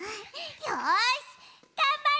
よしがんばるぞ！